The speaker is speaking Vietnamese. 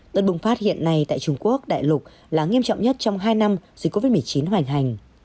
đợt bùng phát hiện nay tại trung quốc đại lục là nghiêm trọng nhất trong hai năm dịch covid một mươi chín hoành hành